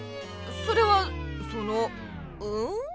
それはそのうん？